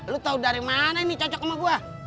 lu tau dari mana ini cocok sama gua